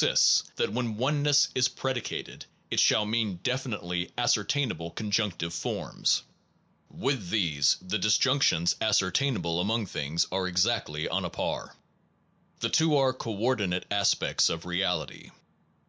James s Pragmatism. 142 THE ONE AND THE MANY that when oneness is predicated, it shall mean definitely ascertainable conjunctive forms. With these the disjunctions ascertainable among things are exactly on a par. The two are co ordinate aspects of reality.